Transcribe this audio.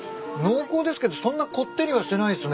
濃厚ですけどそんなこってりはしてないっすね。